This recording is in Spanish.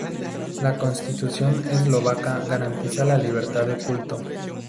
La constitución eslovaca garantiza la libertad de culto.